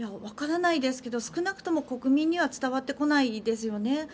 わからないですけど少なくとも国民には伝わってこないですよね。